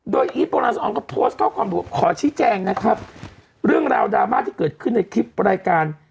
โดยอีฟโบราณสออนก็โพสต์ข้อความบอกว่าขอชี้แจงนะครับเรื่องราวดราม่าที่เกิดขึ้นในคลิปรายการ